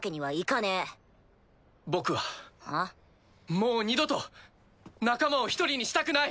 もう二度と仲間を一人にしたくない。